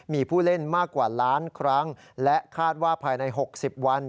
มีผู้เล่นมากกว่าล้านครั้งและคาดว่าภายใน๖๐วัน